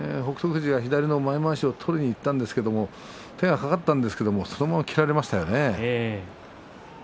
富士が左の前まわしを取りにいったんですけれども手がかかったんですけれどもそのまま切られましたよね。